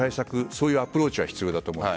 そういうアプローチは必要だと思う。